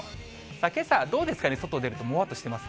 けさは、どうですかね、外出ると、もわっとしています？